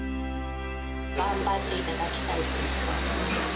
頑張っていただきたい、ずっと。